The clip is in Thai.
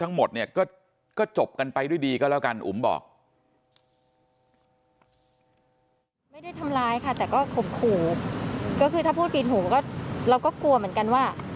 ทั้งหมดก็จบกันไปด้วยดีก็แล้วกัน